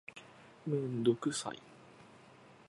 めんどくさい